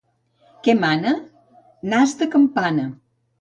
—Què mana? —Nas de campana.